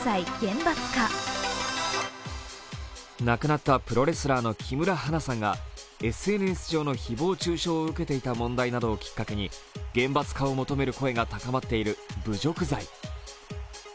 亡くなったプロレスラーの木村花さんがＳＮＳ上の誹謗中傷を受けていた問題などをきっかけに厳罰化を求める声が高まっている侮辱罪。